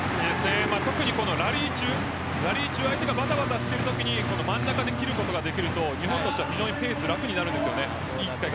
特にラリー中相手がバタバタしているときに真ん中で切ることができると日本としては非常にペースが楽になるんです。